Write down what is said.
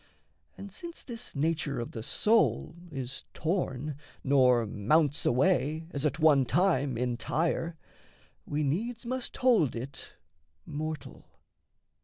And since this nature of the soul is torn, Nor mounts away, as at one time, entire, We needs must hold it mortal.